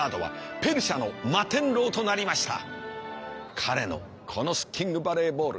彼のこのシッティングバレーボール。